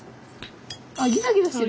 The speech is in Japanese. あっギザギザしてる。